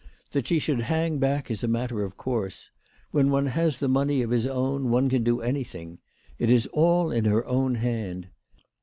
That she should hang back is a matter of course. When one has the money of his own one can do anything. It is all in her own hand.